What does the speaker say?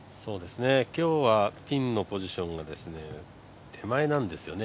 今日はピンのポジションが手前なんですよね。